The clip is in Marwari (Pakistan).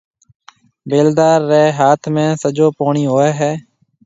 بيلدار ريَ هاٿ ۾ سجو پوڻِي هوئي هيَ۔